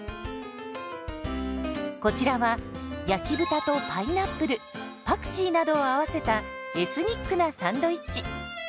こちらは焼き豚とパイナップルパクチーなどを合わせたエスニックなサンドイッチ。